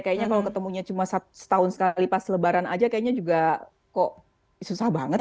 kayaknya kalau ketemunya cuma setahun sekali pas lebaran aja kayaknya juga kok susah banget ya